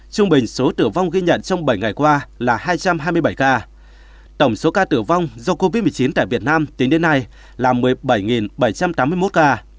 trung bình số tử vong ghi nhận trong bảy ngày qua là hai trăm hai mươi bảy ca tổng số ca tử vong do covid một mươi chín tại việt nam tính đến nay là một mươi bảy bảy trăm tám mươi một ca